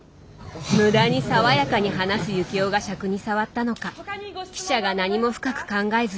無駄に爽やかに話す幸男がしゃくに障ったのか記者が何も深く考えずに発した。